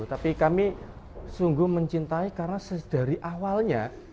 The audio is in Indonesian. tapi kami sungguh mencintai karena dari awalnya